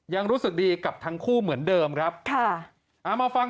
ยังรู้สึกดีกับทั้งคู่เหมือนเดิมครับค่ะเอามาฟัง